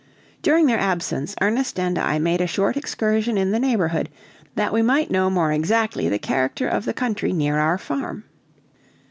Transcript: During their absence, Ernest and I made a short excursion in the neighborhood, that we might know more exactly the character of the country near our farm.